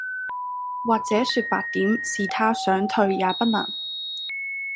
或者說白點是他想退也不能